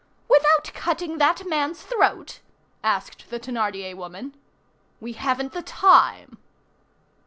"Without cutting that man's throat?" asked, the Thénardier woman. "We haven't the time."